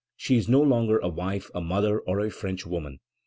She is no longer a wife, a mother, or a Frenchwoman.